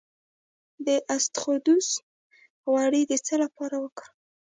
د اسطوخودوس غوړي د څه لپاره وکاروم؟